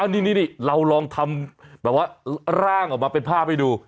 นี่เราลองทำแบบว่าร่างออกมาเป็นภาพให้ดู